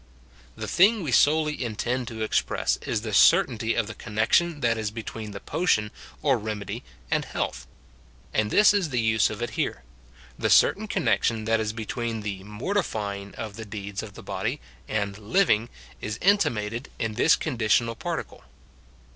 The thing we solely intend to express is the certainty of the connection that is be tween the potion or remedy and health. And this is the use of it here. The certain connection that is between the mortifying of the deeds of the body and living is intimated in this conditional particle.